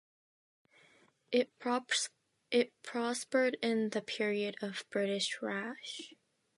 It prospered in the period of British Raj.